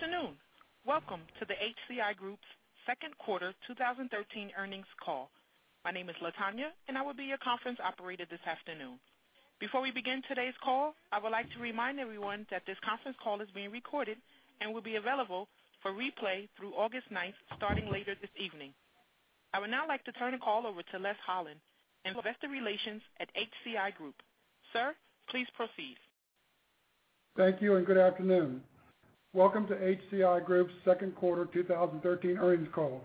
Afternoon. Welcome to the HCI Group's second quarter 2013 earnings call. My name is Latonya, and I will be your conference operator this afternoon. Before we begin today's call, I would like to remind everyone that this conference call is being recorded and will be available for replay through August 9th, starting later this evening. I would now like to turn the call over to Les Holland, Investor Relations at HCI Group. Sir, please proceed. Thank you. Good afternoon. Welcome to HCI Group's second quarter 2013 earnings call.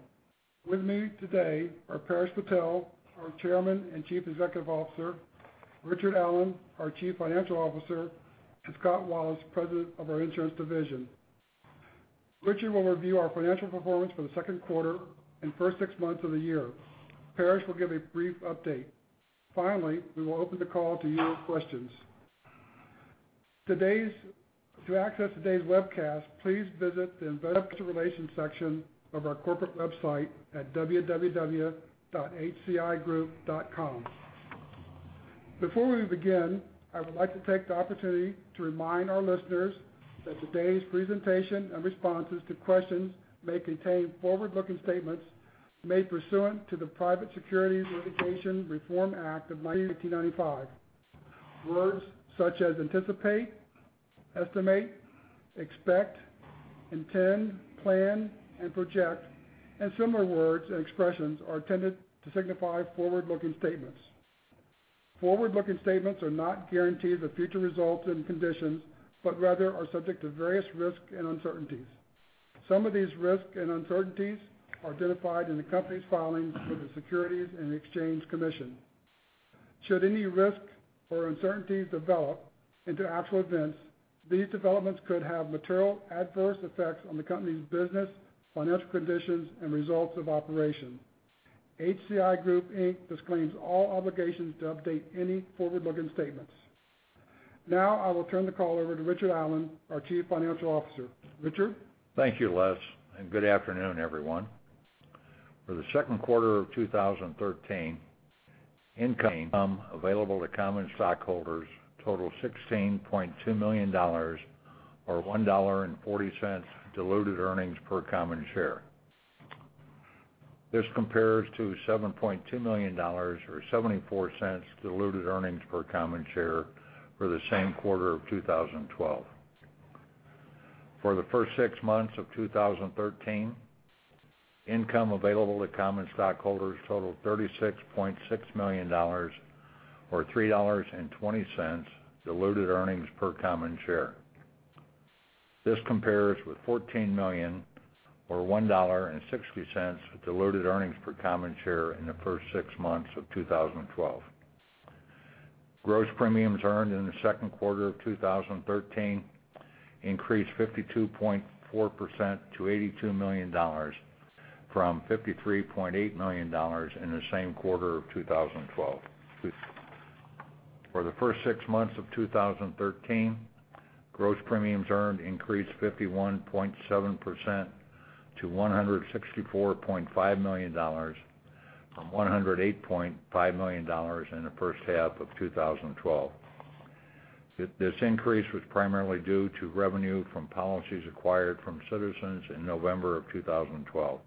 With me today are Paresh Patel, our Chairman and Chief Executive Officer, Richard Allen, our Chief Financial Officer, and Scott Wallace, President of our Insurance Division. Richard will review our financial performance for the second quarter and first six months of the year. Paresh will give a brief update. Finally, we will open the call to your questions. To access today's webcast, please visit the Investor Relations section of our corporate website at www.hcigroup.com. Before we begin, I would like to take the opportunity to remind our listeners that today's presentation and responses to questions may contain forward-looking statements made pursuant to the Private Securities Litigation Reform Act of 1995. Words such as anticipate, estimate, expect, intend, plan, and project, and similar words and expressions are intended to signify forward-looking statements. Forward-looking statements are not guarantees of future results and conditions, rather are subject to various risks and uncertainties. Some of these risks and uncertainties are identified in the company's filings with the Securities and Exchange Commission. Should any risks or uncertainties develop into actual events, these developments could have material adverse effects on the company's business, financial conditions, and results of operation. HCI Group, Inc. disclaims all obligations to update any forward-looking statements. I will turn the call over to Richard Allen, our Chief Financial Officer. Richard? Thank you, Les. Good afternoon, everyone. For the second quarter of 2013, income available to common stockholders totaled $16.2 million, or $1.40 diluted earnings per common share. This compares to $7.2 million or $0.74 diluted earnings per common share for the same quarter of 2012. For the first six months of 2013, income available to common stockholders totaled $36.6 million or $3.20 diluted earnings per common share. This compares with $14 million or $1.60 diluted earnings per common share in the first six months of 2012. Gross premiums earned in the second quarter of 2013 increased 52.4% to $82 million from $53.8 million in the same quarter of 2012. For the first six months of 2013, gross premiums earned increased 51.7% to $164.5 million from $108.5 million in the first half of 2012. This increase was primarily due to revenue from policies acquired from Citizens in November of 2012.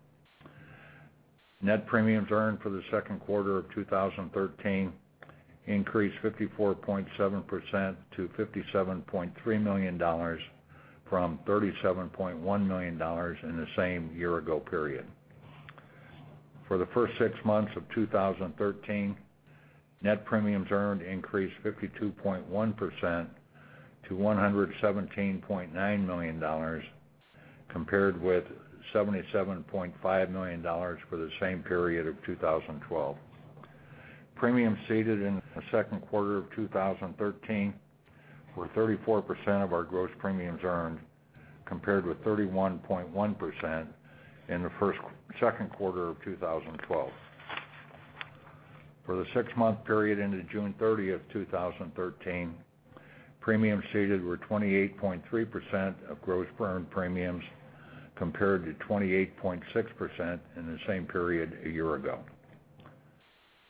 Net premiums earned for the second quarter of 2013 increased 54.7% to $57.3 million from $37.1 million in the same year-ago period. For the first six months of 2013, net premiums earned increased 52.1% to $117.9 million compared with $77.5 million for the same period of 2012. Premiums ceded in the second quarter of 2013 were 34% of our gross premiums earned, compared with 31.1% in the second quarter of 2012. For the six-month period ended June 30th, 2013, premiums ceded were 28.3% of gross earned premiums compared to 28.6% in the same period a year ago.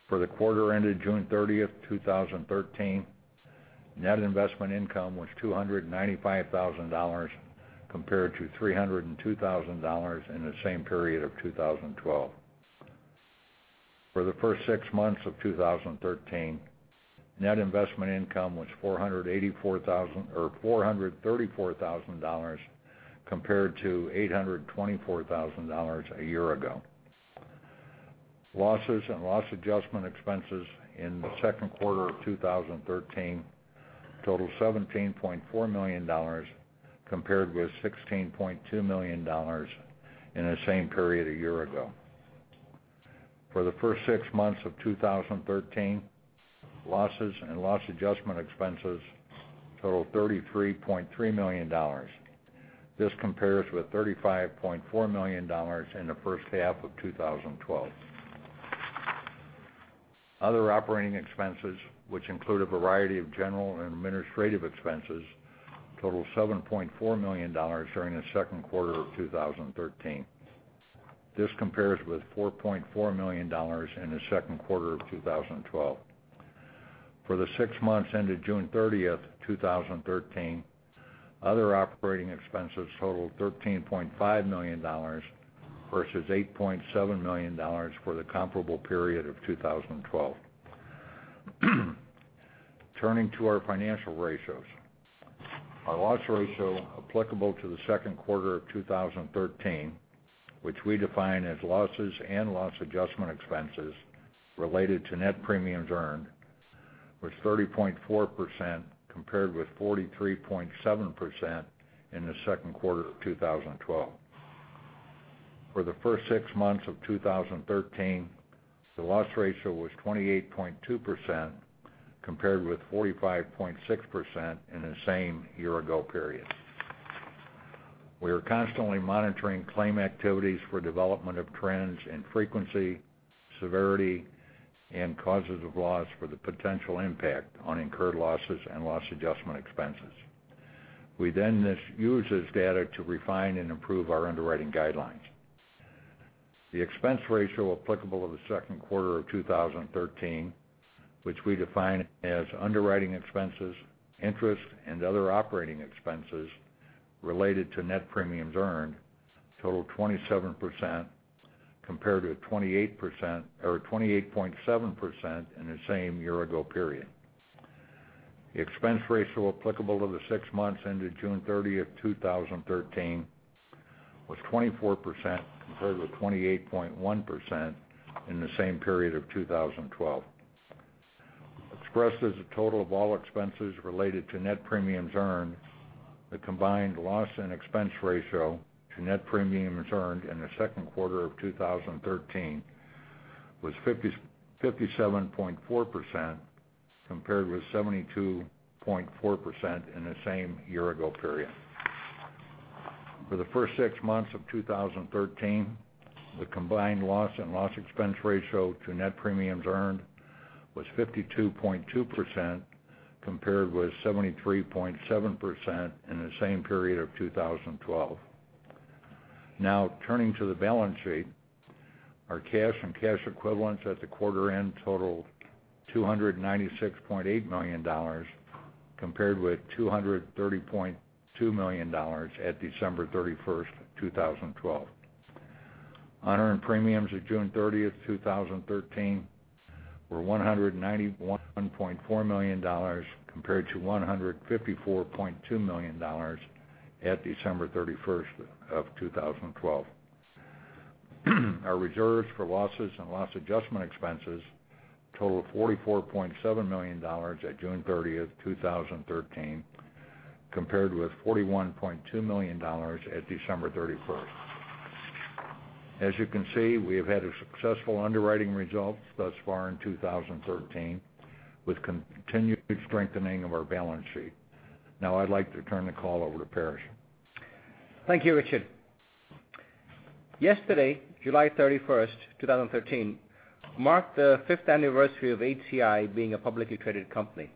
For the quarter ended June 30th, 2013, net investment income was $295,000 compared to $302,000 in the same period of 2012. For the first six months of 2013, net investment income was $434,000 compared to $824,000 a year ago. Losses and loss adjustment expenses in the second quarter of 2013 totaled $17.4 million compared with $16.2 million in the same period a year ago. For the first six months of 2013, losses and loss adjustment expenses totaled $33.3 million. This compares with $35.4 million in the first half of 2012. Other operating expenses, which include a variety of general and administrative expenses, totaled $7.4 million during the second quarter of 2013. This compares with $4.4 million in the second quarter of 2012. For the six months ended June 30th, 2013, other operating expenses totaled $13.5 million versus $8.7 million for the comparable period of 2012. Turning to our financial ratios. Our loss ratio applicable to the second quarter of 2013, which we define as losses and loss adjustment expenses related to net premiums earned, was 30.4%, compared with 43.7% in the second quarter of 2012. For the first six months of 2013, the loss ratio was 28.2%, compared with 45.6% in the same year-ago period. We are constantly monitoring claim activities for development of trends in frequency, severity, and causes of loss for the potential impact on incurred losses and loss adjustment expenses. We use this data to refine and improve our underwriting guidelines. The expense ratio applicable to the second quarter of 2013, which we define as underwriting expenses, interest, and other operating expenses related to net premiums earned, totaled 27% compared to 28.7% in the same year-ago period. The expense ratio applicable to the six months ended June 30th, 2013, was 24% compared with 28.1% in the same period of 2012. Expressed as a total of all expenses related to net premiums earned, the combined loss and expense ratio to net premiums earned in the second quarter of 2013 was 57.4%, compared with 72.4% in the same year-ago period. For the first six months of 2013, the combined loss and loss expense ratio to net premiums earned was 52.2%, compared with 73.7% in the same period of 2012. Turning to the balance sheet. Our cash and cash equivalents at the quarter end totaled $296.8 million, compared with $230.2 million at December 31st, 2012. Unearned premiums at June 30th, 2013, were $191.4 million, compared to $154.2 million at December 31st of 2012. Our reserves for losses and loss adjustment expenses totaled $44.7 million at June 30th, 2013, compared with $41.2 million at December 31st. As you can see, we have had successful underwriting results thus far in 2013 with continued strengthening of our balance sheet. I'd like to turn the call over to Paresh. Thank you, Richard. Yesterday, July 31st, 2013, marked the fifth anniversary of HCI being a publicly traded company.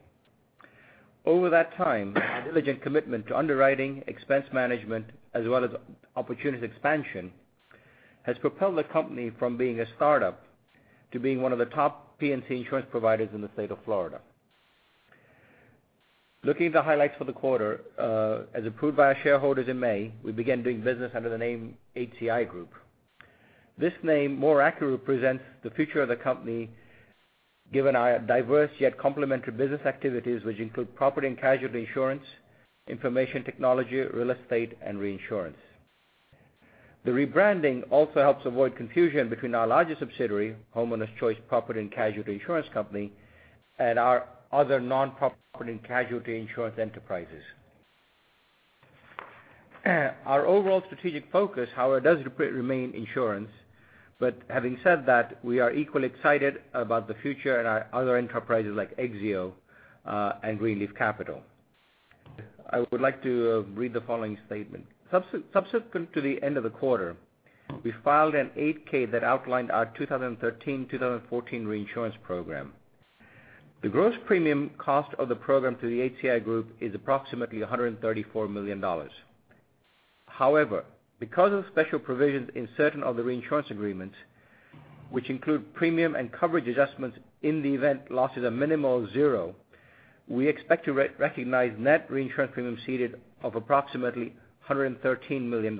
Over that time, our diligent commitment to underwriting, expense management, as well as opportunities expansion, has propelled the company from being a startup to being one of the top P&C insurance providers in the state of Florida. Looking at the highlights for the quarter, as approved by our shareholders in May, we began doing business under the name HCI Group. This name more accurately represents the future of the company given our diverse yet complementary business activities which include property and casualty insurance, information technology, real estate, and reinsurance. The rebranding also helps avoid confusion between our largest subsidiary, Homeowners Choice Property & Casualty Insurance Company, and our other non-property and casualty insurance enterprises. Our overall strategic focus, however, does remain insurance. Having said that, we are equally excited about the future and our other enterprises like Exzeo and Greenleaf Capital. I would like to read the following statement. Subsequent to the end of the quarter, we filed an 8-K that outlined our 2013-2014 reinsurance program. The gross premium cost of the program to the HCI Group is approximately $134 million. However, because of special provisions in certain of the reinsurance agreements, which include premium and coverage adjustments in the event losses are minimal or zero, we expect to recognize net reinsurance premiums ceded of approximately $113 million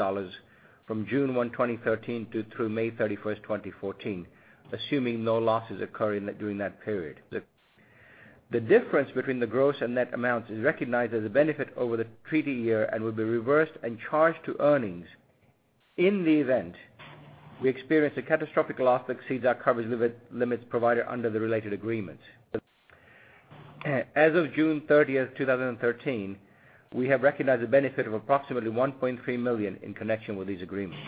from June 1, 2013, through May 31st, 2014, assuming no losses occur during that period. The difference between the gross and net amounts is recognized as a benefit over the treaty year and will be reversed and charged to earnings in the event we experience a catastrophic loss that exceeds our coverage limits provided under the related agreements. As of June 30th, 2013, we have recognized a benefit of approximately $1.3 million in connection with these agreements.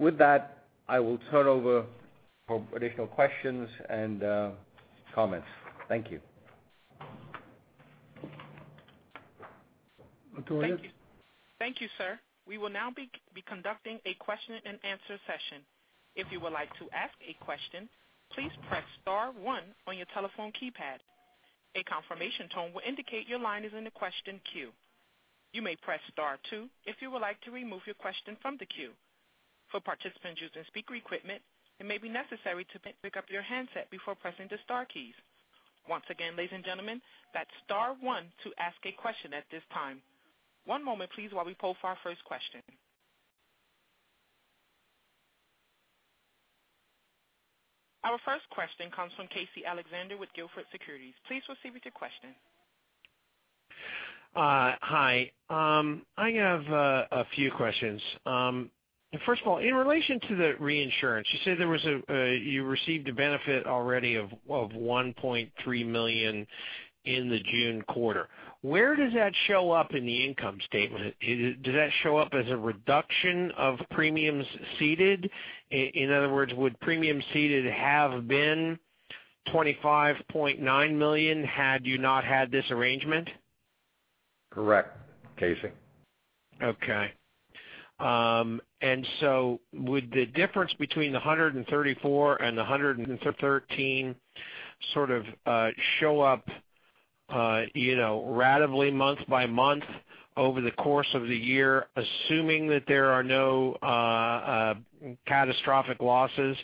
With that, I will turn over for additional questions and comments. Thank you. Victoria? Thank you. Thank you, sir. We will now be conducting a question and answer session. If you would like to ask a question, please press star one on your telephone keypad. A confirmation tone will indicate your line is in the question queue. You may press star two if you would like to remove your question from the queue. For participants using speaker equipment, it may be necessary to pick up your handset before pressing the star keys. Once again, ladies and gentlemen, that's star one to ask a question at this time. One moment, please, while we poll for our first question. Our first question comes from Casey Alexander with Gilford Securities. Please proceed with your question. Hi. I have a few questions. First of all, in relation to the reinsurance, you said you received a benefit already of $1.3 million in the June quarter. Where does that show up in the income statement? Does that show up as a reduction of premiums ceded? In other words, would premiums ceded have been $25.9 million had you not had this arrangement? Correct, Casey. Okay. Would the difference between the 134 and the 113 sort of show up ratably month by month over the course of the year, assuming that there are no catastrophic losses,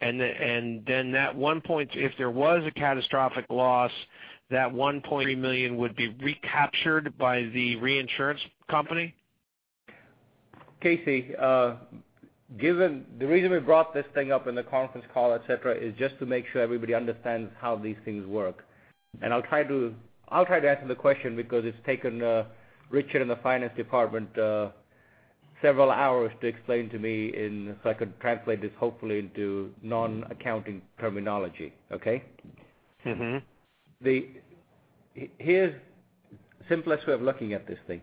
and then if there was a catastrophic loss, that $1.3 million would be recaptured by the reinsurance company? Casey, the reason we brought this thing up in the conference call, et cetera, is just to make sure everybody understands how these things work. I'll try to answer the question because it's taken Richard and the finance department several hours to explain to me so I could translate this hopefully into non-accounting terminology. Okay? Here's the simplest way of looking at this thing.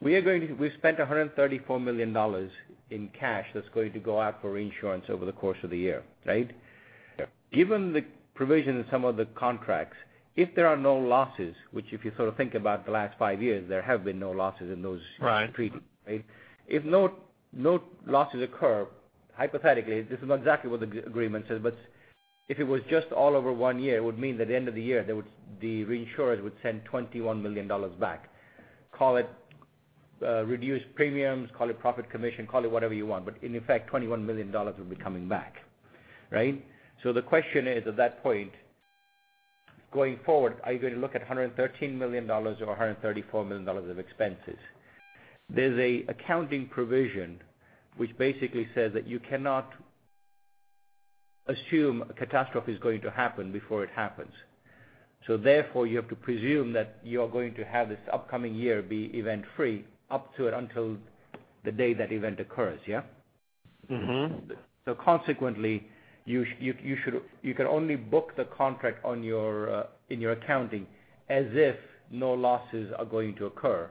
We've spent $134 million in cash that's going to go out for reinsurance over the course of the year, right? Yep. Given the provision in some of the contracts, if there are no losses, which if you sort of think about the last five years, there have been no losses in those. Right treatments, right? If no losses occur, hypothetically, this is not exactly what the agreement says, but if it was just all over one year, it would mean that at the end of the year, the reinsurers would send $21 million back. Call it reduced premiums, call it profit commission, call it whatever you want, but in effect, $21 million would be coming back. Right? The question is, at that point, going forward, are you going to look at $113 million or $134 million of expenses? There's an accounting provision which basically says that you cannot assume a catastrophe is going to happen before it happens. Therefore, you have to presume that you're going to have this upcoming year be event-free up to and until the day that event occurs, yeah? Consequently, you can only book the contract in your accounting as if no losses are going to occur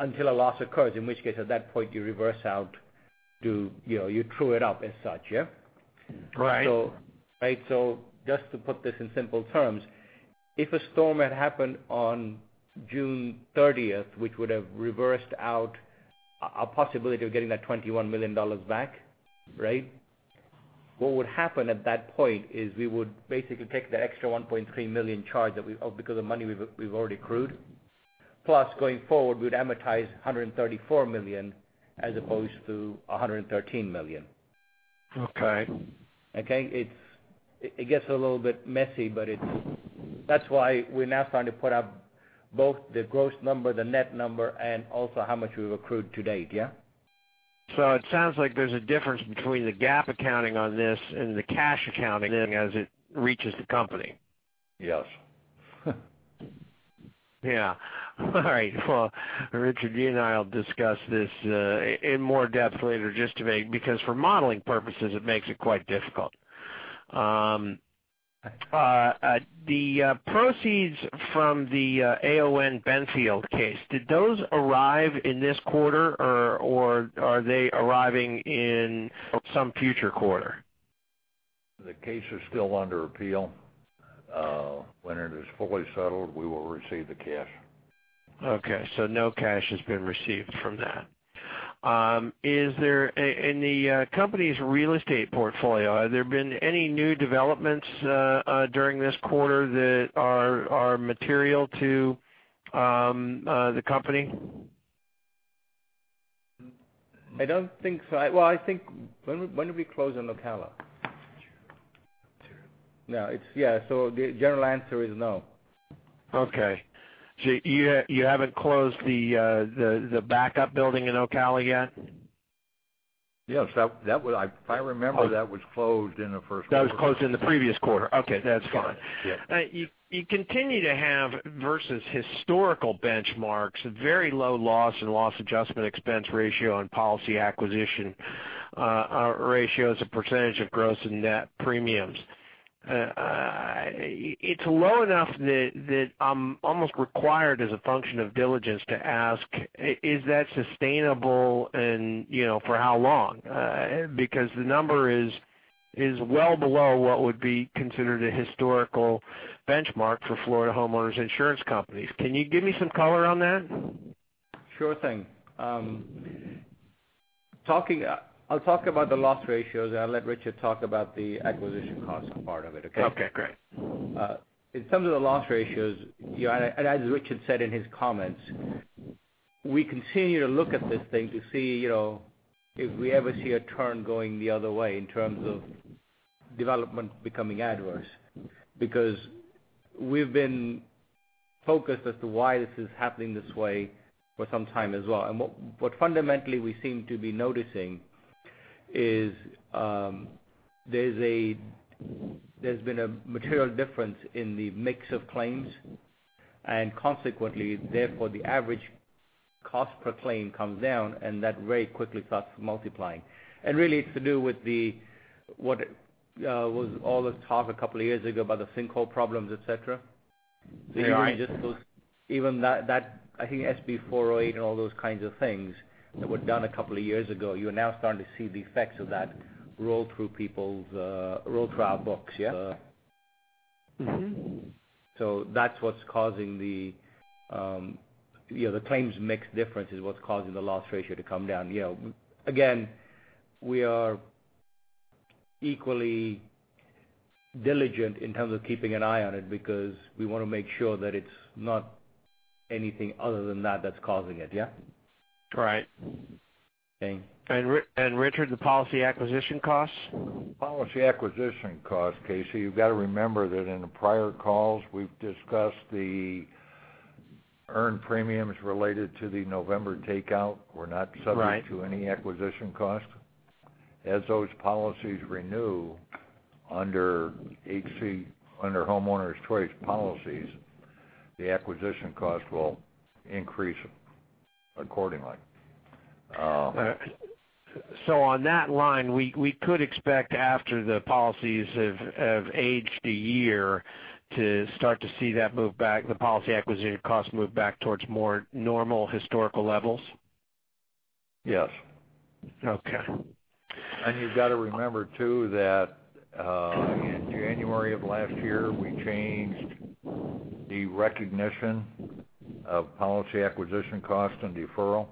until a loss occurs, in which case, at that point, you reverse out, you true it up as such, yeah? Right. Right. Just to put this in simple terms, if a storm had happened on June 30th, which would have reversed out a possibility of getting that $21 million back, right? What would happen at that point is we would basically take that extra $1.3 million charge because of money we've already accrued, plus going forward, we'd amortize $134 million as opposed to $113 million. Okay. Okay? It gets a little bit messy, that's why we're now trying to put up both the gross number, the net number, and also how much we've accrued to date. Yeah? It sounds like there's a difference between the GAAP accounting on this and the cash accounting then as it reaches the company. Yes. Yeah. All right. Well, Richard, you and I'll discuss this in more depth later, just to make, because for modeling purposes, it makes it quite difficult. The proceeds from the Aon Benfield case, did those arrive in this quarter, or are they arriving in some future quarter? The case is still under appeal. When it is fully settled, we will receive the cash. Okay. No cash has been received from that. In the company's real estate portfolio, have there been any new developments during this quarter that are material to the company? I don't think so. Well, I think, when did we close on Ocala? Two. Yeah. The general answer is no. Okay. You haven't closed the backup building in Ocala yet? Yes. If I remember, that was closed in the first quarter. That was closed in the previous quarter. Okay. That's fine. Yes. You continue to have, versus historical benchmarks, very low loss and loss adjustment expense ratio on policy acquisition ratios of percentage of gross and net premiums. It is low enough that I am almost required as a function of diligence to ask, is that sustainable and for how long? Because the number is well below what would be considered a historical benchmark for Florida homeowners' insurance companies. Can you give me some color on that? Sure thing. I will talk about the loss ratios, and I will let Richard talk about the acquisition cost part of it, okay? Okay, great. In terms of the loss ratios, and as Richard said in his comments, we continue to look at this thing to see if we ever see a turn going the other way in terms of development becoming adverse, because we have been focused as to why this is happening this way for some time as well. What fundamentally we seem to be noticing is there has been a material difference in the mix of claims, and consequently, therefore, the average cost per claim comes down, and that very quickly starts multiplying. Really, it is to do with what was all this talk a couple of years ago about the sinkhole problems, et cetera. Right. Even that, I think SB 408 and all those kinds of things that were done a couple of years ago, you're now starting to see the effects of that roll through people's books, yeah? That's what's causing the claims mix difference is what's causing the loss ratio to come down. Again, we are equally diligent in terms of keeping an eye on it because we want to make sure that it's not anything other than that that's causing it, yeah? Right. Okay. Richard, the policy acquisition costs? Policy acquisition cost, Casey, you've got to remember that in the prior calls, we've discussed the earned premiums related to the November takeout were not subject- Right to any acquisition costs. As those policies renew under HC, under Homeowners Choice policies, the acquisition cost will increase accordingly. On that line, we could expect after the policies have aged a year to start to see the policy acquisition cost move back towards more normal historical levels? Yes. Okay. You've got to remember, too, that in January of last year, we changed the recognition of policy acquisition cost and deferral.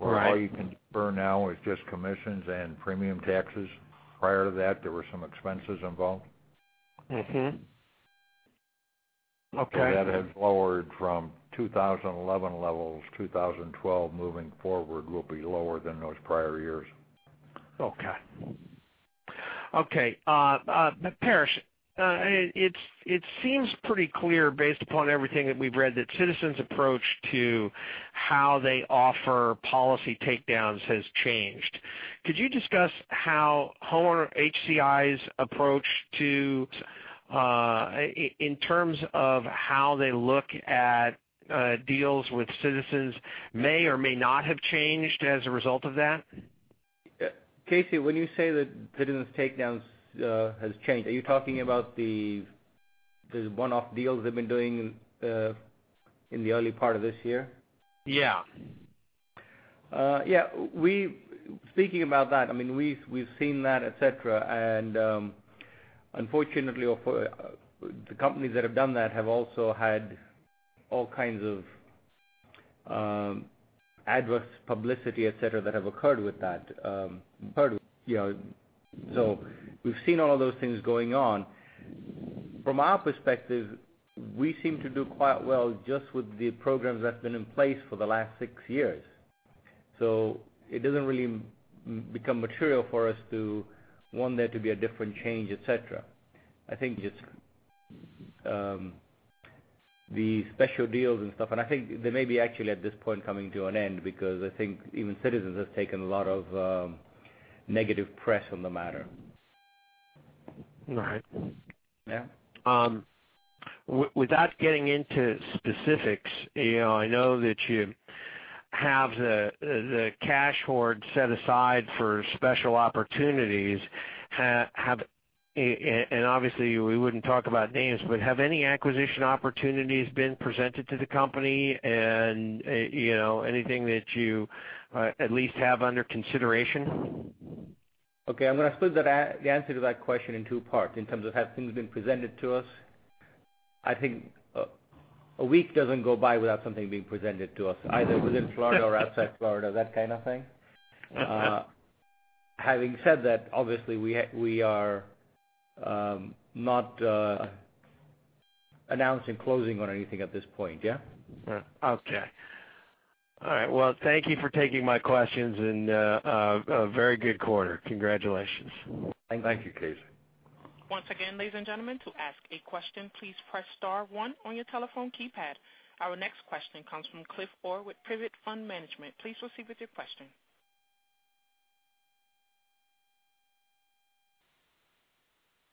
Right. Where all you can defer now is just commissions and premium taxes. Prior to that, there were some expenses involved. Mm-hmm. Okay. That has lowered from 2011 levels. 2012 moving forward will be lower than those prior years. Okay. Paresh, it seems pretty clear, based upon everything that we've read, that Citizens' approach to how they offer policy takedowns has changed. Could you discuss how HCI's approach in terms of how they look at deals with Citizens may or may not have changed as a result of that? Casey, when you say that Citizens' takedowns has changed, are you talking about the one-off deals they've been doing in the early part of this year? Yeah. Yeah. Speaking about that, we've seen that, et cetera, and unfortunately for the companies that have done that have also had all kinds of adverse publicity, et cetera, that have occurred with that. We've seen all of those things going on. From our perspective, we seem to do quite well just with the programs that's been in place for the last 6 years. It doesn't really become material for us to want there to be a different change, et cetera. I think just the special deals and stuff, and I think they may be actually at this point coming to an end because I think even Citizens has taken a lot of negative press on the matter. Right. Yeah. Without getting into specifics, I know that you have the cash hoard set aside for special opportunities. Obviously, we wouldn't talk about names, but have any acquisition opportunities been presented to the company, and anything that you at least have under consideration? Okay. I'm going to split the answer to that question in two parts in terms of have things been presented to us. I think a week doesn't go by without something being presented to us, either within Florida or outside Florida, that kind of thing. Having said that, obviously, we are not announcing closing on anything at this point, yeah? Okay. All right. Well, thank you for taking my questions, and a very good quarter. Congratulations. Thank you. Thank you, Casey. Once again, ladies and gentlemen, to ask a question, please press star one on your telephone keypad. Our next question comes from Cliff Orr with Privet Fund Management. Please proceed with your question.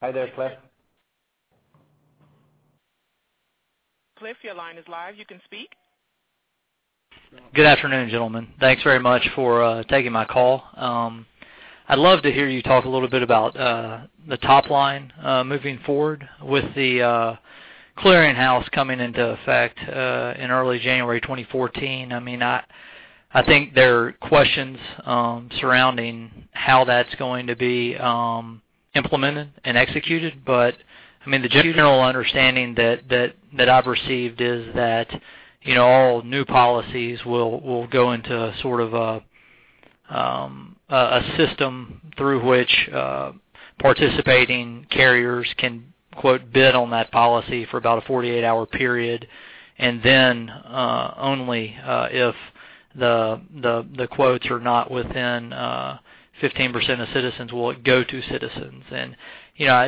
Hi there, Cliff. Cliff, your line is live, you can speak. Good afternoon, gentlemen. Thanks very much for taking my call. I'd love to hear you talk a little bit about the top line moving forward with the clearing house coming into effect in early January 2014. I think there are questions surrounding how that's going to be implemented and executed, but the general understanding that I've received is that all new policies will go into sort of a system through which participating carriers can, quote, "bid on that policy" for about a 48-hour period, and then only if the quotes are not within 15% of Citizens will it go to Citizens.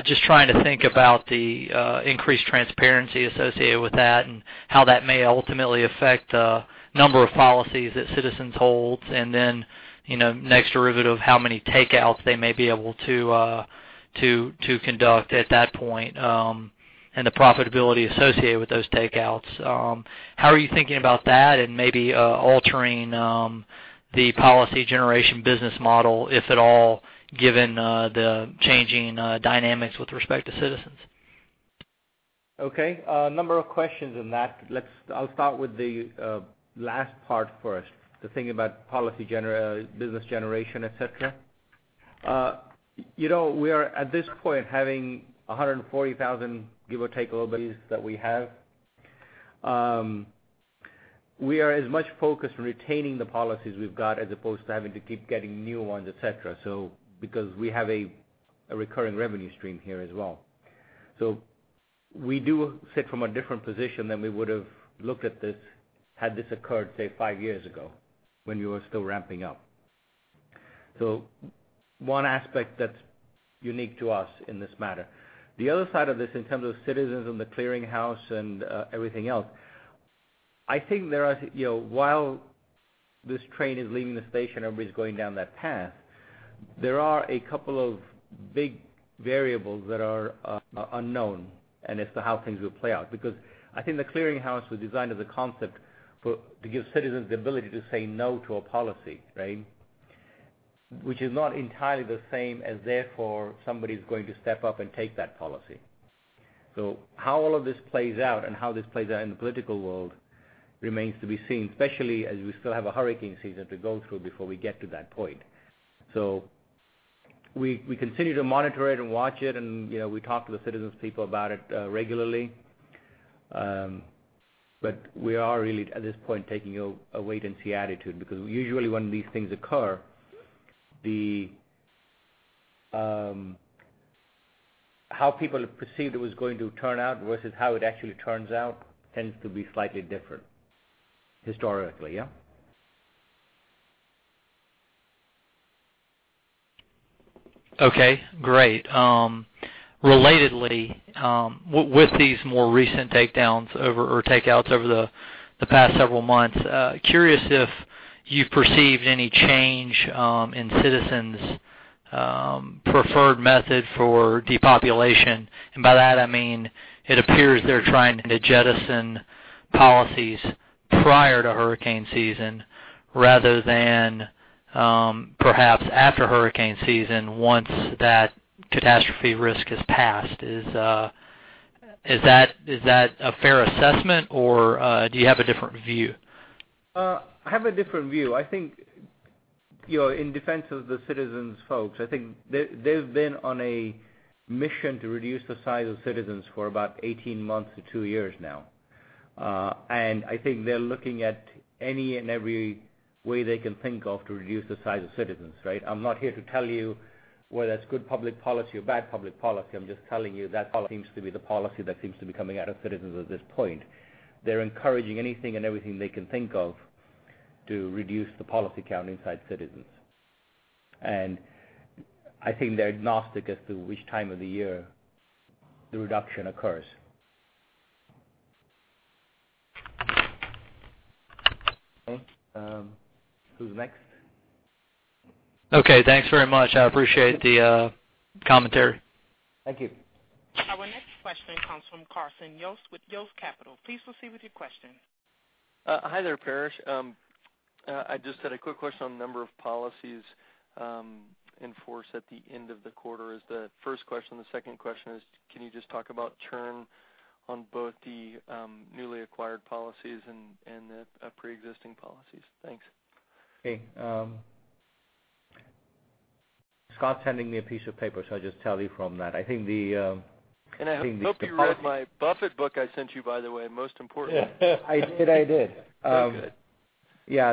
Just trying to think about the increased transparency associated with that and how that may ultimately affect the number of policies that Citizens holds, and then next derivative, how many takeouts they may be able to conduct at that point, and the profitability associated with those takeouts. How are you thinking about that and maybe altering the policy generation business model, if at all, given the changing dynamics with respect to Citizens? Okay. A number of questions in that. I'll start with the last part first, the thing about policy business generation, et cetera. We are, at this point, having 140,000, give or take a little, policies that we have. We are as much focused on retaining the policies we've got as opposed to having to keep getting new ones, et cetera, because we have a recurring revenue stream here as well. We do sit from a different position than we would've looked at this had this occurred, say, five years ago, when we were still ramping up. One aspect that's unique to us in this matter. The other side of this, in terms of Citizens and the clearing house and everything else, I think while this train is leaving the station, everybody's going down that path, there are a couple of big variables that are unknown, and as to how things will play out. I think the clearing house was designed as a concept to give Citizens the ability to say no to a policy, right? Which is not entirely the same as therefore somebody's going to step up and take that policy. How all of this plays out and how this plays out in the political world remains to be seen, especially as we still have a hurricane season to go through before we get to that point. We continue to monitor it and watch it, and we talk to the Citizens people about it regularly. We are really, at this point, taking a wait and see attitude, because usually when these things occur, how people have perceived it was going to turn out versus how it actually turns out tends to be slightly different historically, yeah. Okay, great. Relatedly, with these more recent takeouts over the past several months, curious if you've perceived any change in Citizens' preferred method for depopulation. By that, I mean it appears they're trying to jettison policies prior to hurricane season rather than perhaps after hurricane season, once that catastrophe risk has passed. Is that a fair assessment, or do you have a different view? I have a different view. I think in defense of the Citizens folks, I think they've been on a mission to reduce the size of Citizens for about 18 months to two years now. I think they're looking at any and every way they can think of to reduce the size of Citizens, right? I'm not here to tell you whether that's good public policy or bad public policy. I'm just telling you that policy seems to be the policy that seems to be coming out of Citizens at this point. They're encouraging anything and everything they can think of to reduce the policy count inside Citizens. I think they're agnostic as to which time of the year the reduction occurs. Okay. Who's next? Okay, thanks very much. I appreciate the commentary. Thank you. Our next question comes from Carson Yost with Yost Capital. Please proceed with your question. Hi there, Paresh. I just had a quick question on the number of policies in force at the end of the quarter, is the first question. The second question is, can you just talk about churn on both the newly acquired policies and the preexisting policies? Thanks. Okay. Scott's handing me a piece of paper, so I'll just tell you from that. I think. I hope you read my Buffett book I sent you, by the way, most importantly. I did. Oh, good. Yeah.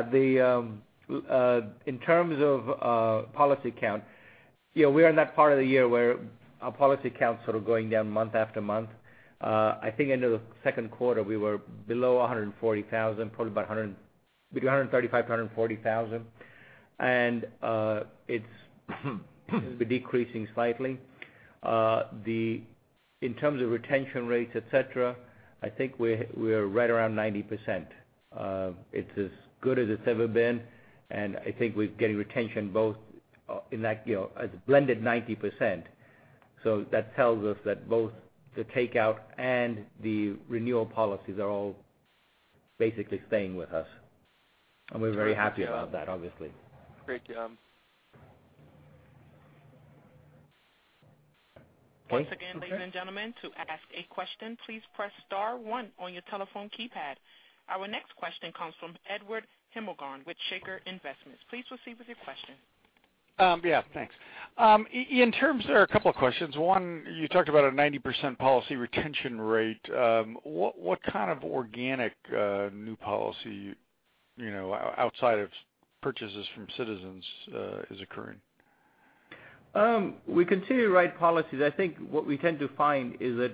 In terms of policy count, we are in that part of the year where our policy count's sort of going down month after month. I think end of the second quarter, we were below 140,000, probably between 135,000-140,000. It's been decreasing slightly. In terms of retention rates, et cetera, I think we are right around 90%. It's as good as it's ever been, and I think we're getting retention both in that blended 90%. That tells us that both the takeout and the renewal policies are all basically staying with us. We're very happy about that, obviously. Great job. Okay. Once again, ladies and gentlemen, to ask a question, please press *1 on your telephone keypad. Our next question comes from Edward Hemmelgarn with Shaker Investments. Please proceed with your question. Yeah, thanks. In terms of--, there are a couple of questions. One, you talked about a 90% policy retention rate. What kind of organic new policy, outside of purchases from Citizens, is occurring? We continue to write policies. I think what we tend to find is that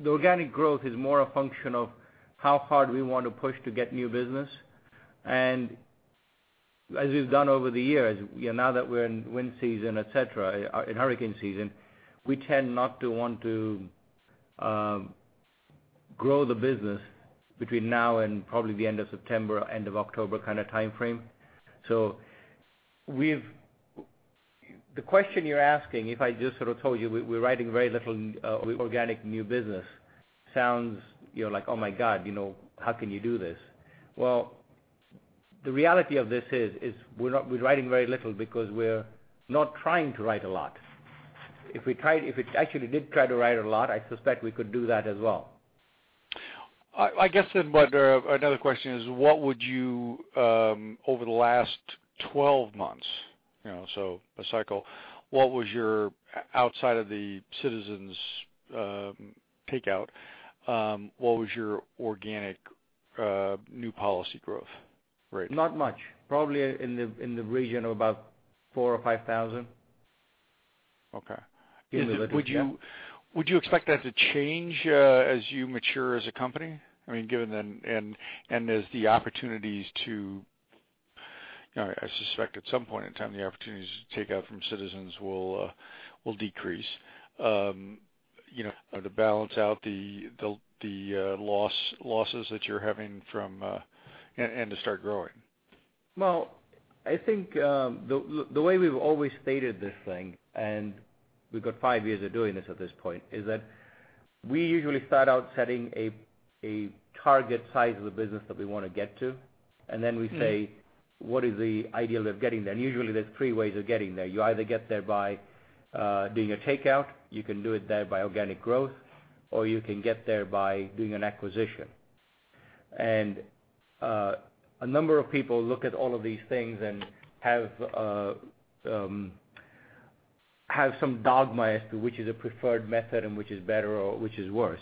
the organic growth is more a function of how hard we want to push to get new business. As we've done over the years, now that we're in hurricane season, et cetera, we tend not to want to grow the business between now and probably the end of September, end of October kind of timeframe. The question you're asking, if I just sort of told you we're writing very little organic new business, sounds like, oh, my God, how can you do this? Well, the reality of this is, we're writing very little because we're not trying to write a lot. If we actually did try to write a lot, I suspect we could do that as well. I guess then, another question is, over the last 12 months, so a cycle, outside of the Citizens takeout, what was your organic new policy growth rate? Not much. Probably in the region of about 4,000 or 5,000. Okay. In the yeah. Would you expect that to change as you mature as a company? I suspect at some point in time, the opportunities to take out from Citizens will decrease, to balance out the losses that you're having, and to start growing. I think the way we've always stated this thing, and we've got five years of doing this at this point, is that we usually start out setting a target size of the business that we want to get to, and then we say, what is the ideal of getting there? Usually, there's three ways of getting there. You either get there by doing a takeout, you can do it there by organic growth, or you can get there by doing an acquisition. A number of people look at all of these things and have some dogma as to which is a preferred method and which is better or which is worse.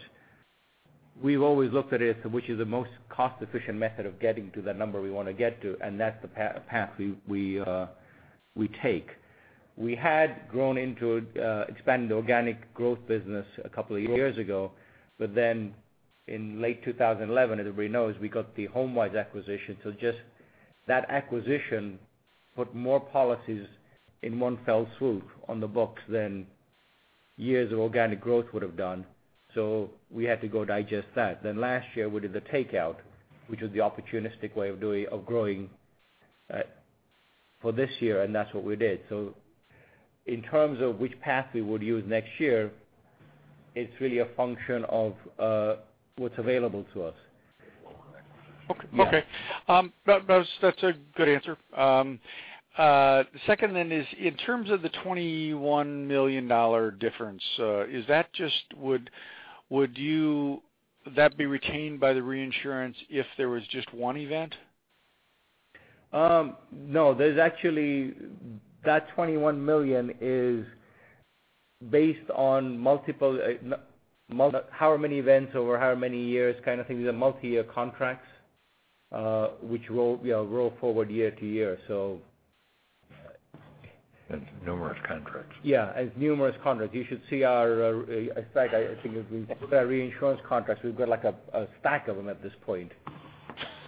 We've always looked at it as which is the most cost-efficient method of getting to that number we want to get to, and that's the path we take. We had grown into expanding the organic growth business a couple of years ago, in late 2011, as everybody knows, we got the HomeWise acquisition. Just that acquisition put more policies in one fell swoop on the books than years of organic growth would've done. We had to go digest that. Last year, we did the takeout, which was the opportunistic way of growing for this year, and that's what we did. In terms of which path we would use next year, it's really a function of what's available to us. Okay. That's a good answer. Second, then, is in terms of the $21 million difference, would that be retained by the reinsurance if there was just one event? No. That $21 million is based on however many events over however many years kind of thing. These are multi-year contracts, which roll forward year to year. That's numerous contracts. Yeah. As numerous contracts. You should see our reinsurance contracts. We've got a stack of them at this point.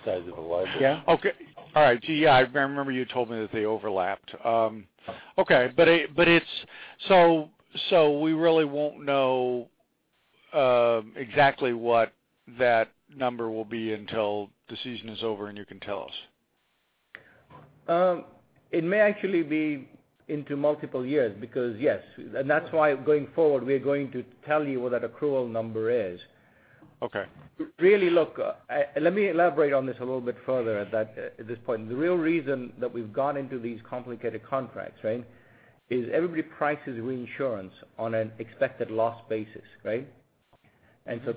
Size of a library. Yeah. Okay. All right. Gee, I remember you told me that they overlapped. Okay. We really won't know exactly what that number will be until the season is over and you can tell us? It may actually be into multiple years because yes. That's why going forward, we are going to tell you what that accrual number is. Okay. Really, look, let me elaborate on this a little bit further at this point. The real reason that we've gone into these complicated contracts is everybody prices reinsurance on an expected loss basis, right?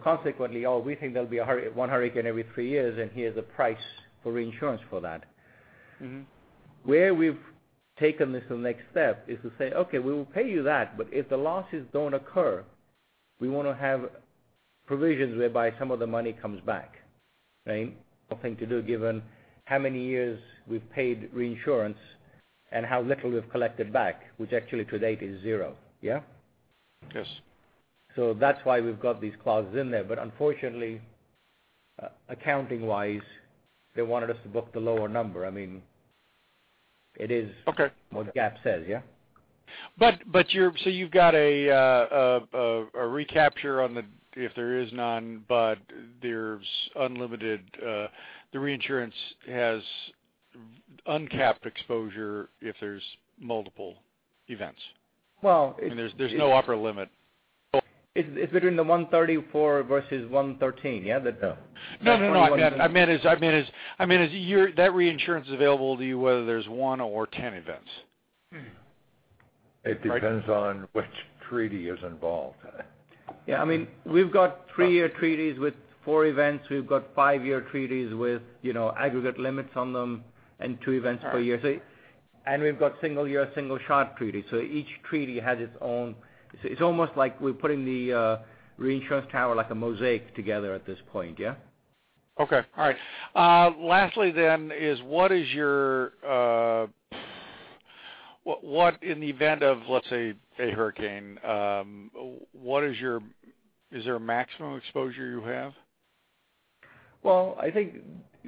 Consequently, oh, we think there'll be one hurricane every three years, and here's a price for reinsurance for that. Where we've taken this to the next step is to say, okay, we will pay you that, but if the losses don't occur, we want to have provisions whereby some of the money comes back. Right? Nothing to do given how many years we've paid reinsurance and how little we've collected back, which actually to date is zero. Yeah? Yes. That's why we've got these clauses in there. Unfortunately, accounting wise, they wanted us to book the lower number. It is. Okay what GAAP says, yeah? You've got a recapture if there is none, but the reinsurance has uncapped exposure if there's multiple events. Well, it. There's no upper limit. It's between the 134 versus 113, yeah? No, I meant is that reinsurance available to you whether there's one or 10 events? It depends on which treaty is involved. Yeah. We've got three-year treaties with four events. We've got five-year treaties with aggregate limits on them and two events per year. Right. We've got single-year, single shot treaties. Each treaty has its own. It's almost like we're putting the reinsurance tower like a mosaic together at this point, yeah? Okay. All right. Lastly, then, in the event of, let's say a hurricane, is there a maximum exposure you have? Well, I think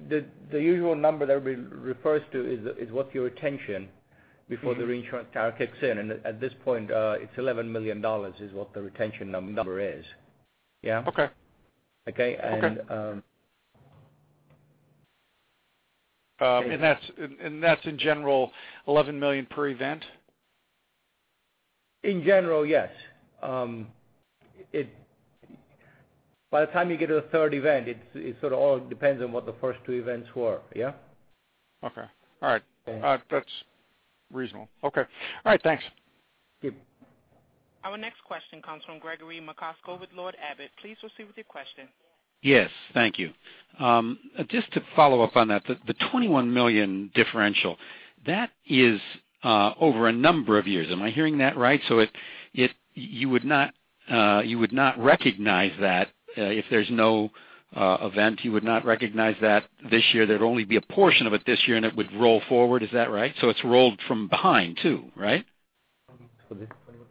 the usual number that everybody refers to is what's your retention before the reinsurance tower kicks in. At this point, it's $11 million is what the retention number is. Yeah. Okay. Okay? Okay. That's in general, $11 million per event? In general, yes. By the time you get to the third event, it sort of all depends on what the first two events were, yeah? Okay. All right. Okay. That's reasonable. Okay. All right, thanks. Good. Our next question comes from Gregory Macosko with Lord Abbett. Please proceed with your question. Yes. Thank you. Just to follow up on that, the $21 million differential, that is over a number of years. Am I hearing that right? You would not recognize that if there's no event. You would not recognize that this year. There'd only be a portion of it this year, and it would roll forward. Is that right? It's rolled from behind too, right?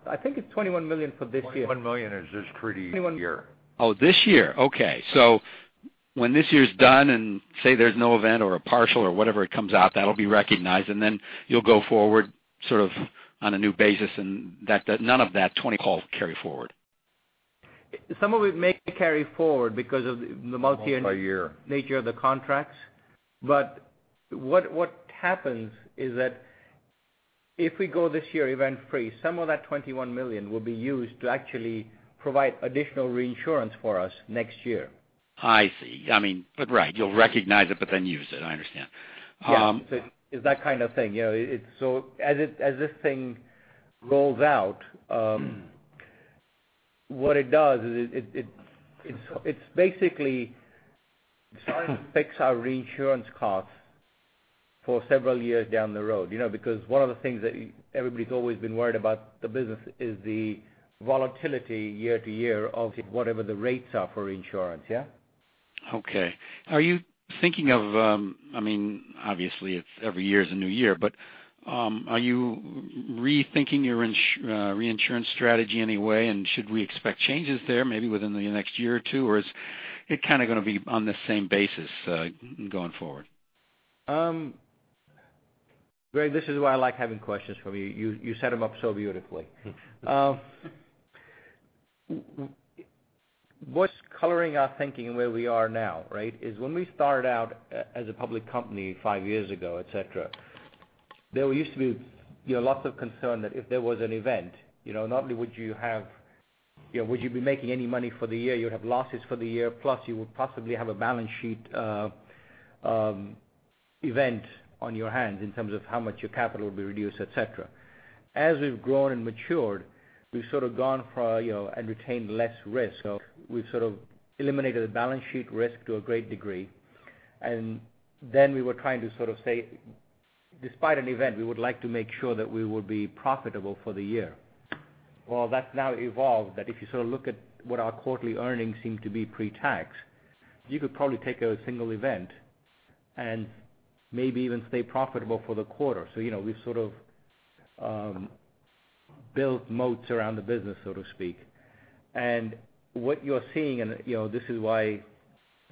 I think it's $21 million for this year. $21 million is this treaty year. Oh, this year. Okay. When this year's done and say there's no event or a partial or whatever comes out, that'll be recognized, and then you'll go forward sort of on a new basis, and none of that 2020 carry forward. Some of it may carry forward because of the multi- Multi-year nature of the contracts. What happens is that if we go this year event free, some of that $21 million will be used to actually provide additional reinsurance for us next year. I see. Right, you'll recognize it, then use it. I understand. Yeah. It's that kind of thing. As this thing rolls out, what it does is it's basically starting to fix our reinsurance costs for several years down the road. One of the things that everybody's always been worried about the business is the volatility year-to-year of whatever the rates are for insurance, yeah? Okay. Are you thinking of, obviously, every year is a new year, are you rethinking your reinsurance strategy in any way? Should we expect changes there maybe within the next year or two, or is it going to be on the same basis going forward? Greg, this is why I like having questions from you. You set them up so beautifully. What's coloring our thinking and where we are now, right, is when we started out as a public company five years ago, et cetera, there used to be lots of concern that if there was an event, not only would you be making any money for the year, you would have losses for the year, plus you would possibly have a balance sheet event on your hands in terms of how much your capital would be reduced, et cetera. As we've grown and matured, we've sort of gone for and retained less risk. We've sort of eliminated the balance sheet risk to a great degree. Then we were trying to sort of say, despite an event, we would like to make sure that we will be profitable for the year. That's now evolved that if you look at what our quarterly earnings seem to be pre-tax, you could probably take a single event and maybe even stay profitable for the quarter. We've sort of built moats around the business, so to speak. What you're seeing, and this is why,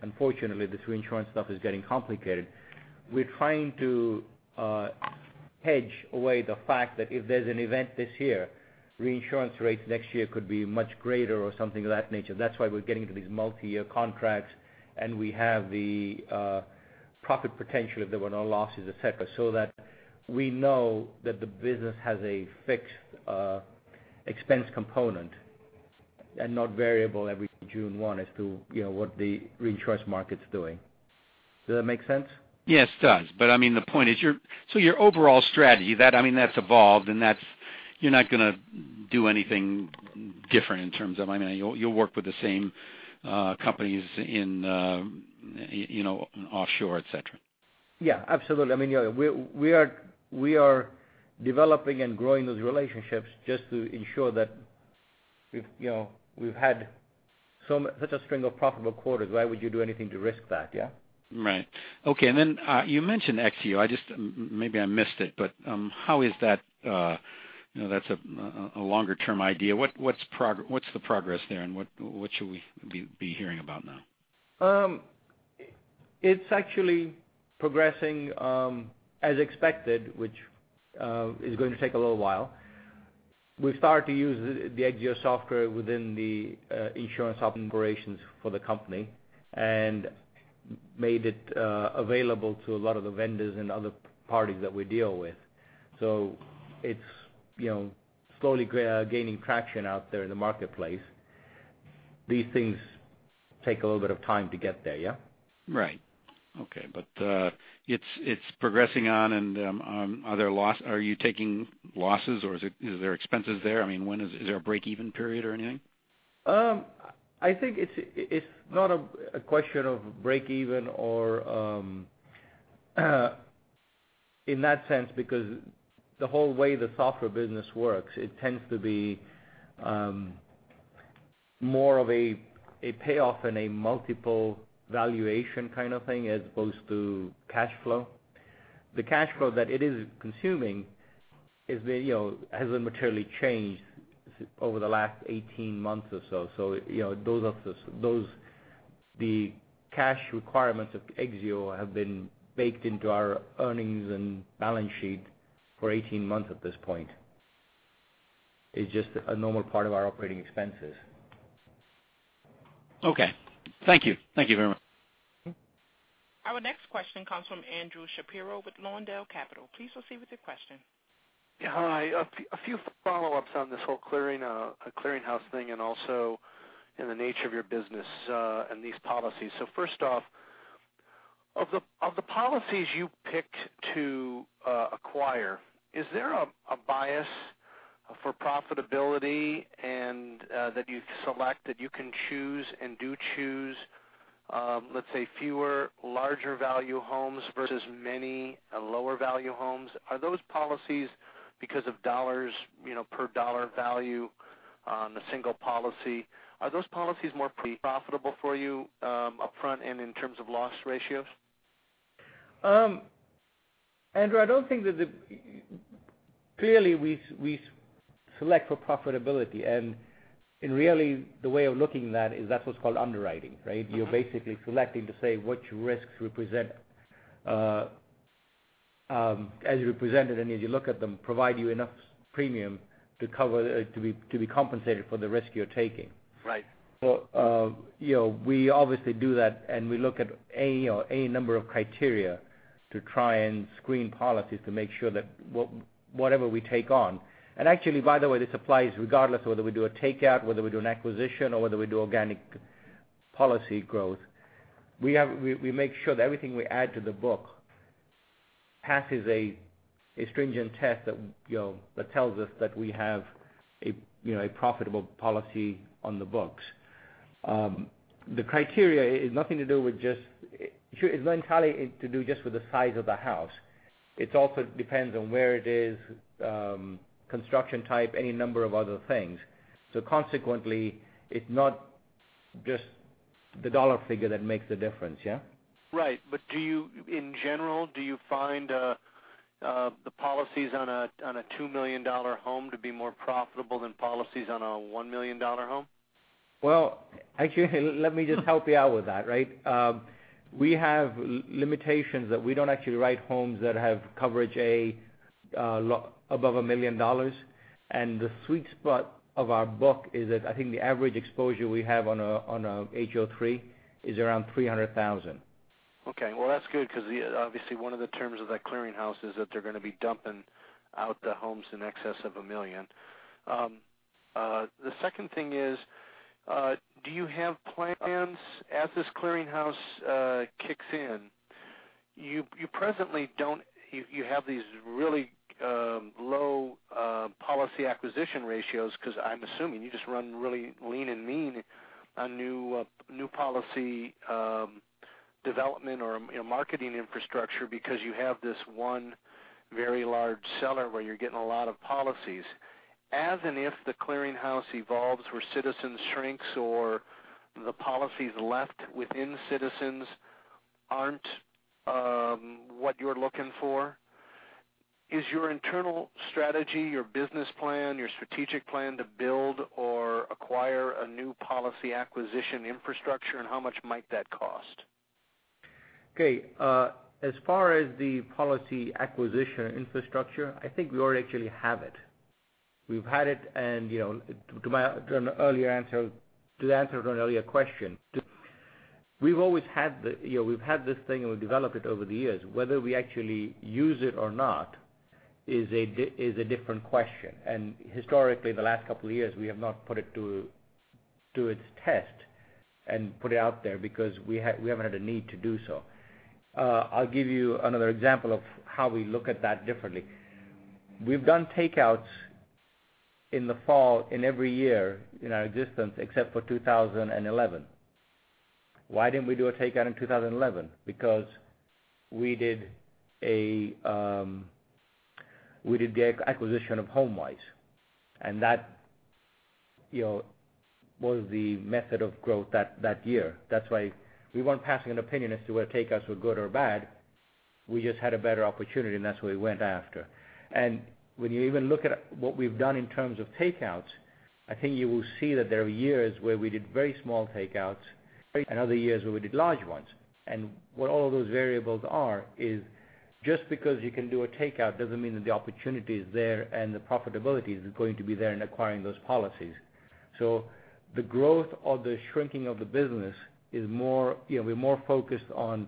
unfortunately, this reinsurance stuff is getting complicated. We're trying to hedge away the fact that if there's an event this year, reinsurance rates next year could be much greater or something of that nature. That's why we're getting into these multi-year contracts, and we have the profit potential if there were no losses, et cetera, so that we know that the business has a fixed expense component and not variable every June 1 as to what the reinsurance market's doing. Does that make sense? Yes, it does. The point is your overall strategy, that's evolved, and you're not going to do anything different in terms of You'll work with the same companies in offshore, et cetera. Absolutely. We are developing and growing those relationships just to ensure that we've had such a string of profitable quarters. Why would you do anything to risk that, yeah? Right. Okay. You mentioned Exzeo. Maybe I missed it, how is that? That's a longer term idea. What's the progress there, and what should we be hearing about now? It's actually progressing as expected, which is going to take a little while. We've started to use the Exzeo software within the insurance operations for the company and made it available to a lot of the vendors and other parties that we deal with. It's slowly gaining traction out there in the marketplace. These things take a little bit of time to get there, yeah. Right. Okay. It's progressing on, and are you taking losses or is there expenses there? Is there a break-even period or anything? I think it's not a question of break-even in that sense, because the whole way the software business works, it tends to be more of a payoff and a multiple valuation kind of thing as opposed to cash flow. The cash flow that it is consuming hasn't materially changed over the last 18 months or so. The cash requirements of Exzeo have been baked into our earnings and balance sheet for 18 months at this point. It's just a normal part of our operating expenses. Okay. Thank you. Thank you very much. Our next question comes from Andrew Shapiro with Lawndale Capital. Please proceed with your question. Yeah. Hi. A few follow-ups on this whole clearinghouse thing and also in the nature of your business, and these policies. First off, of the policies you picked to acquire, is there a bias for profitability and that you select, that you can choose and do choose, let's say fewer larger value homes versus many lower value homes? Are those policies because of per dollar value on a single policy, are those policies more profitable for you, upfront and in terms of loss ratios? Andrew, clearly we select for profitability, and really the way of looking at that is that's what's called underwriting, right? You're basically selecting to say what risks as you represent it, and as you look at them, provide you enough premium to be compensated for the risk you're taking. Right. We obviously do that, we look at any number of criteria to try and screen policies to make sure that whatever we take on, actually, by the way, this applies regardless of whether we do a takeout, whether we do an acquisition, or whether we do organic policy growth. We make sure that everything we add to the book passes a stringent test that tells us that we have a profitable policy on the books. The criteria is not entirely to do just with the size of the house. It also depends on where it is, construction type, any number of other things. Consequently, it's not just the dollar figure that makes the difference, yeah? In general, do you find the policies on a $2 million home to be more profitable than policies on a $1 million home? Well, actually, let me just help you out with that, right? We have limitations that we don't actually write homes that have coverage above $1 million, and the sweet spot of our book is that I think the average exposure we have on a HO-3 is around $300,000. Okay. Well, that's good because obviously one of the terms of that clearinghouse is that they're going to be dumping out the homes in excess of $1 million. The second thing is, do you have plans as this clearinghouse kicks in? You presently don't. You have these really low policy acquisition ratios because I'm assuming you just run really lean and mean on new policy development or marketing infrastructure because you have this one very large seller where you're getting a lot of policies. As and if the clearinghouse evolves where Citizens shrinks or the policies left within Citizens aren't what you're looking for, is your internal strategy, your business plan, your strategic plan to build or acquire a new policy acquisition infrastructure, and how much might that cost? Okay. As far as the policy acquisition infrastructure, I think we already actually have it. We've had it, and to answer an earlier question, we've had this thing and we've developed it over the years. Whether we actually use it or not is a different question, and historically, the last couple of years, we have not put it to its test and put it out there because we haven't had a need to do so. I'll give you another example of how we look at that differently. We've done takeouts in the fall in every year in our existence except for 2011. Why didn't we do a takeout in 2011? Because we did the acquisition of HomeWise, and that was the method of growth that year. That's why we weren't passing an opinion as to whether takeouts were good or bad. We just had a better opportunity, that's what we went after. When you even look at what we've done in terms of takeouts, I think you will see that there are years where we did very small takeouts and other years where we did large ones. What all those variables are is just because you can do a takeout doesn't mean that the opportunity is there and the profitability is going to be there in acquiring those policies. The growth or the shrinking of the business is we're more focused on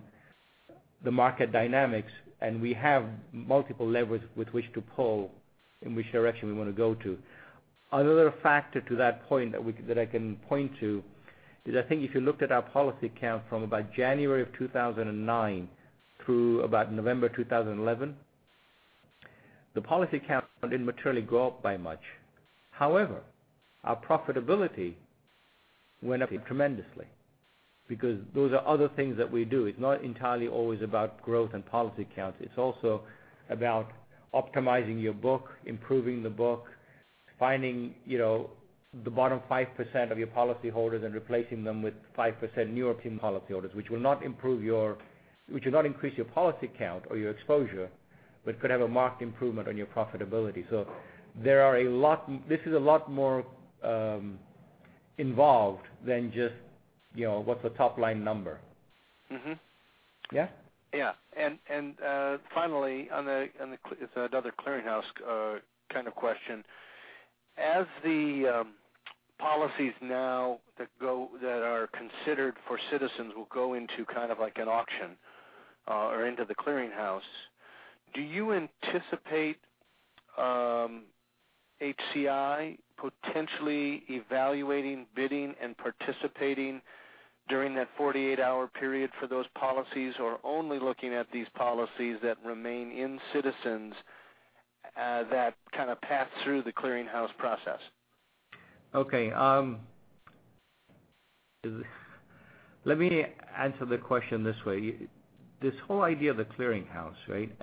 the market dynamics, and we have multiple levers with which to pull, in which direction we want to go to. Another factor to that point that I can point to is, I think if you looked at our policy count from about January 2009 through about November 2011, the policy count didn't materially go up by much. However, our profitability went up tremendously, because those are other things that we do. It's not entirely always about growth and policy count. It's also about optimizing your book, improving the book, finding the bottom 5% of your policyholders and replacing them with 5% newer policyholders, which should not increase your policy count or your exposure, but could have a marked improvement on your profitability. This is a lot more involved than just what's a top-line number. Yeah? Finally, it's another clearinghouse kind of question. As the policies now that are considered for Citizens will go into an auction, or into the clearing house, do you anticipate HCI potentially evaluating, bidding, and participating during that 48-hour period for those policies, or only looking at these policies that remain in Citizens that path through the clearing house process? Let me answer the question this way. This whole idea of the clearing house, right?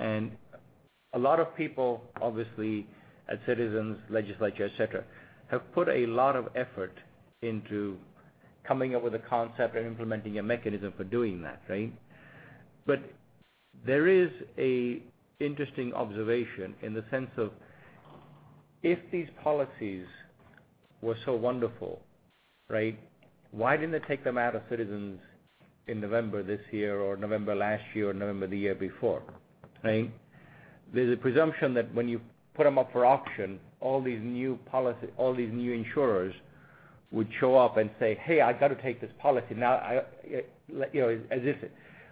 A lot of people, obviously at Citizens, legislature, et cetera, have put a lot of effort into coming up with a concept and implementing a mechanism for doing that. There is a interesting observation in the sense of, if these policies were so wonderful, why didn't they take them out of Citizens in November this year, or November last year, or November the year before? There's a presumption that when you put them up for auction, all these new insurers would show up and say, "Hey, I've got to take this policy now," as if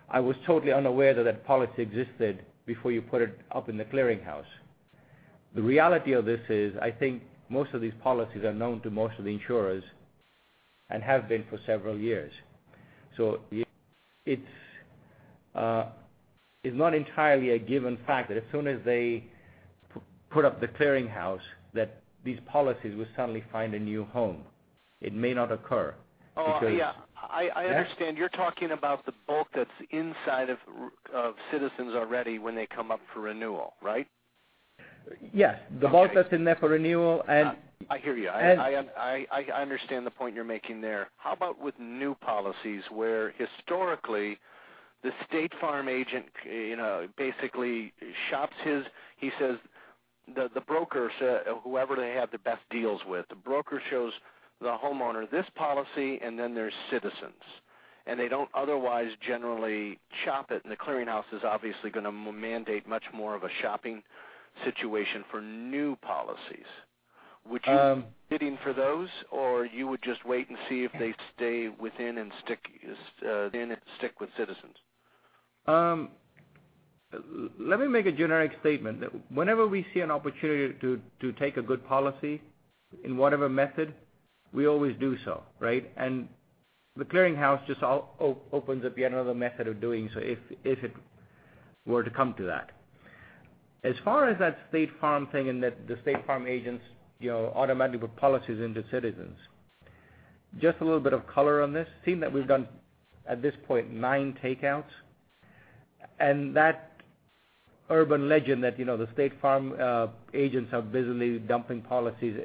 I was totally unaware that policy existed before you put it up in the clearing house. The reality of this is, I think most of these policies are known to most of the insurers and have been for several years. It's not entirely a given fact that as soon as they put up the clearing house, that these policies will suddenly find a new home. It may not occur. Oh, yeah. Yeah? I understand. You're talking about the bulk that's inside of Citizens already when they come up for renewal, right? Yes. Okay. The bulk that's in there for renewal. I hear you. And- I understand the point you're making there. How about with new policies, where historically, the State Farm agent basically shops the broker, whoever they have the best deals with, the broker shows the homeowner this policy, then there's Citizens. They don't otherwise generally shop it. The clearing house is obviously going to mandate much more of a shopping situation for new policies. Would you be bidding for those, or you would just wait and see if they stay within and stick with Citizens? Let me make a generic statement, that whenever we see an opportunity to take a good policy in whatever method, we always do so. The clearing house just opens up yet another method of doing so if it were to come to that. As far as that State Farm thing and the State Farm agents automatically put policies into Citizens, just a little bit of color on this. Seem that we've done, at this point, nine takeouts. That urban legend that the State Farm agents are busily dumping policies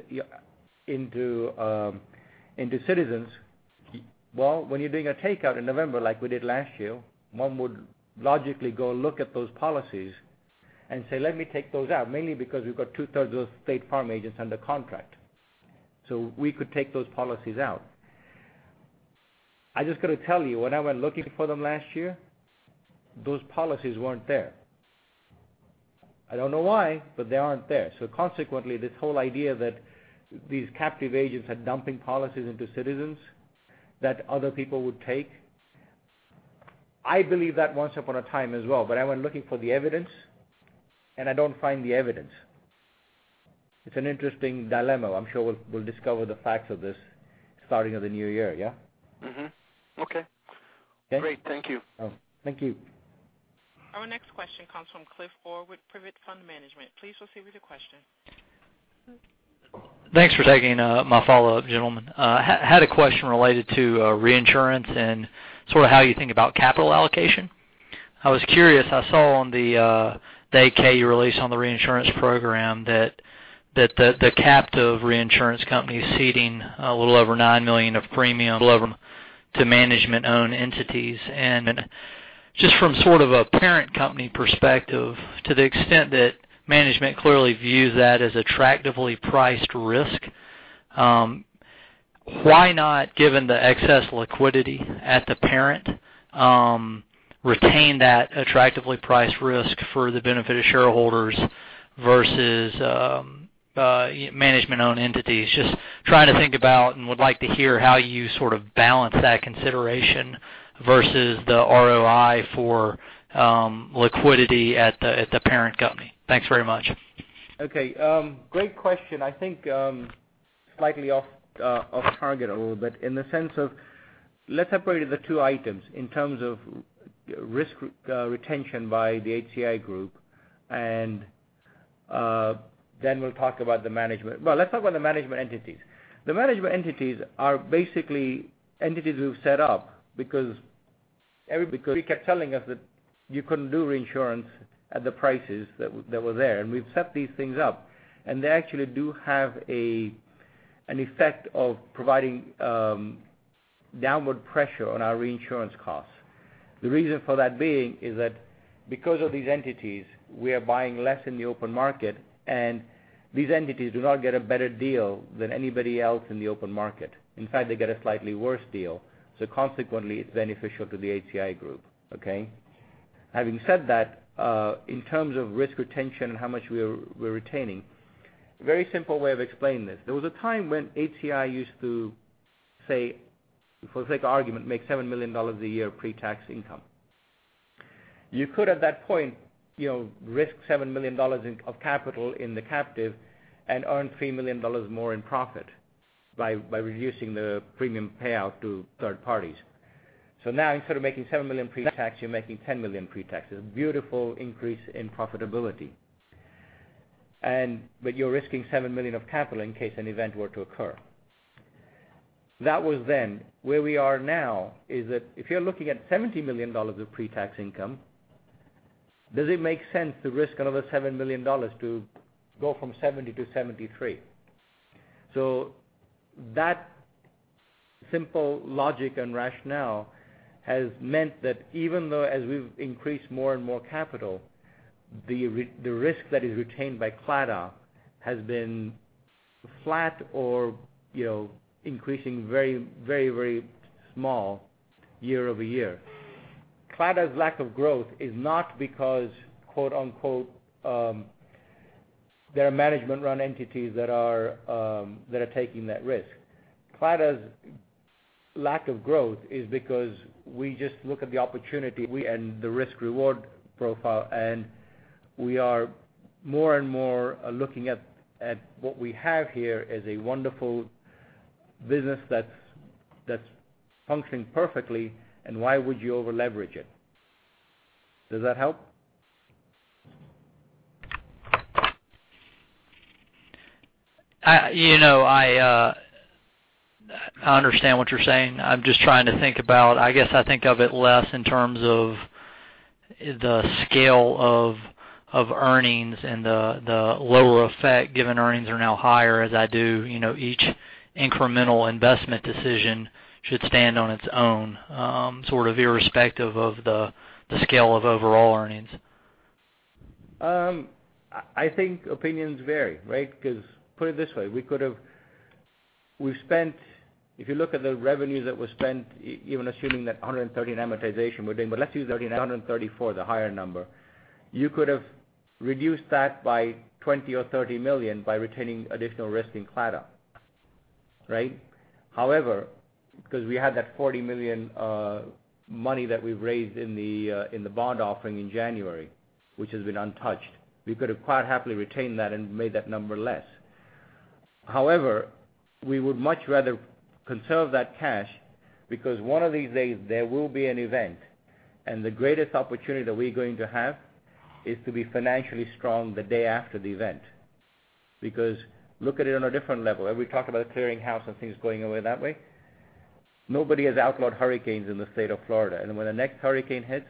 into Citizens, well, when you're doing a takeout in November like we did last year, one would logically go look at those policies and say, "Let me take those out," mainly because we've got two-thirds of State Farm agents under contract. We could take those policies out. I just got to tell you, when I went looking for them last year, those policies weren't there. I don't know why, but they aren't there. Consequently, this whole idea that these captive agents are dumping policies into Citizens that other people would take, I believed that once upon a time as well. I went looking for the evidence, I don't find the evidence. It's an interesting dilemma. I'm sure we'll discover the facts of this starting of the new year, yeah? Mm-hmm. Okay. Okay? Great. Thank you. Thank you. Our next question comes from Cliff Orr, Privet Fund Management. Please proceed with your question. Thanks for taking my follow-up, gentlemen. Had a question related to reinsurance and sort of how you think about capital allocation. I was curious, I saw on the 8-K you released on the reinsurance program that the captive reinsurance company is ceding a little over $9 million of premium to management-owned entities. Just from sort of a parent company perspective, to the extent that management clearly views that as attractively priced risk, why not, given the excess liquidity at the parent, retain that attractively priced risk for the benefit of shareholders versus management-owned entities. Just trying to think about and would like to hear how you sort of balance that consideration versus the ROI for liquidity at the parent company. Thanks very much. Okay. Great question. I think slightly off target a little bit in the sense of, let's separate the two items in terms of risk retention by the HCI Group, and then we'll talk about the management. Well, let's talk about the management entities. The management entities are basically entities we've set up because kept telling us that you couldn't do reinsurance at the prices that were there, and we've set these things up, and they actually do have an effect of providing downward pressure on our reinsurance costs. The reason for that being is that because of these entities, we are buying less in the open market, and these entities do not get a better deal than anybody else in the open market. In fact, they get a slightly worse deal. Consequently, it's beneficial to the HCI Group. Okay? Having said that, in terms of risk retention and how much we're retaining, very simple way of explaining this. There was a time when HCI used to, say, for the sake of argument, make $70 million a year pre-tax income. You could, at that point, risk $70 million of capital in the captive and earn $30 million more in profit by reducing the premium payout to third parties. Now, instead of making $7 million pre-tax, you're making $10 million pre-tax. It's a beautiful increase in profitability. You're risking $7 million of capital in case an event were to occur. That was then. Where we are now is that if you're looking at $70 million of pre-tax income, does it make sense to risk another $7 million to go from 70 to 73? That simple logic and rationale has meant that even though as we've increased more and more capital, the risk that is retained by Claddagh has been flat or increasing very small year-over-year. Claddagh's lack of growth is not because, quote unquote, there are management-run entities that are taking that risk. Claddagh's lack of growth is because we just look at the opportunity we and the risk-reward profile, and we are more and more looking at what we have here as a wonderful business that's functioning perfectly, and why would you over-leverage it? Does that help? I understand what you're saying. I'm just trying to think about, I guess I think of it less in terms of the scale of earnings and the lower effect given earnings are now higher as I do. Each incremental investment decision should stand on its own, sort of irrespective of the scale of overall earnings. I think opinions vary, right? Because put it this way, if you look at the revenues that were spent, even assuming that 130 in amortization we're doing, but let's use 134, the higher number. You could have reduced that by 20 or $30 million by retaining additional risk in Claddagh. Right? However, because we had that $40 million money that we raised in the bond offering in January, which has been untouched, we could have quite happily retained that and made that number less. However, we would much rather conserve that cash because one of these days there will be an event, and the greatest opportunity that we're going to have is to be financially strong the day after the event. Because look at it on a different level. We talk about clearing house and things going away that way. Nobody has outlawed hurricanes in the state of Florida. When the next hurricane hits,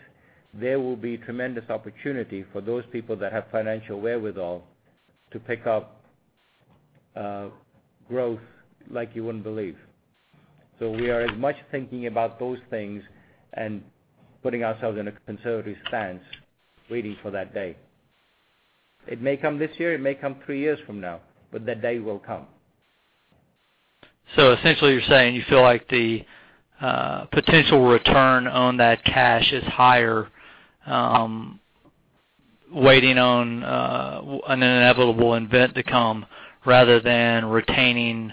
there will be tremendous opportunity for those people that have financial wherewithal to pick up growth like you wouldn't believe. We are as much thinking about those things and putting ourselves in a conservative stance waiting for that day. It may come this year, it may come three years from now, but that day will come. Essentially you're saying you feel like the potential return on that cash is higher, waiting on an inevitable event to come rather than retaining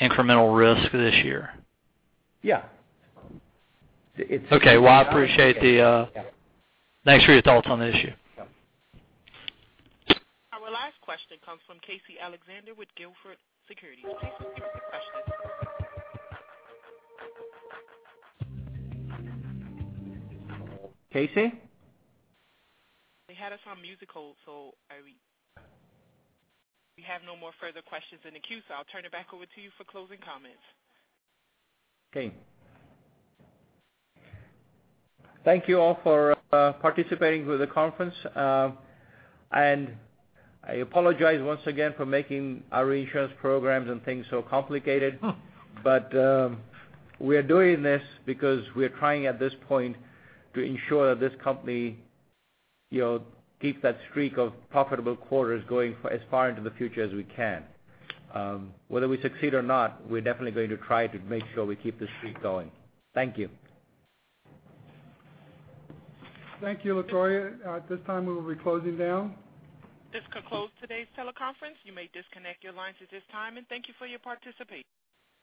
incremental risk this year? Yeah. Okay. I appreciate thanks for your thoughts on the issue. Yeah. Our last question comes from Casey Alexander with Gilford Securities. Casey, you can proceed. Casey? They had us on mute, we have no more further questions in the queue, I'll turn it back over to you for closing comments. Okay. Thank you all for participating with the conference. I apologize once again for making our reinsurance programs and things so complicated. We are doing this because we are trying at this point to ensure that this company keeps that streak of profitable quarters going for as far into the future as we can. Whether we succeed or not, we're definitely going to try to make sure we keep this streak going. Thank you. Thank you, LaToya. At this time, we will be closing down. This concludes today's teleconference. You may disconnect your lines at this time, and thank you for your participation.